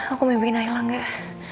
aku mimpiin nailah gak